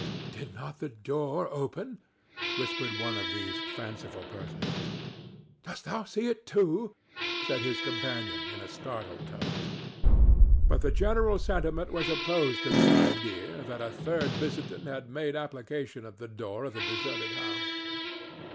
"Did not the door open?" whispered one of these fanciful persons. "Didst thou see it too?" said his companion, in a startled tone. But the general sentiment was opposed to the idea that a third visitant had made application at the door of the deserted house.